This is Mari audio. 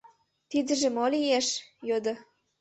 — Тидыже мо лиеш? — йодо.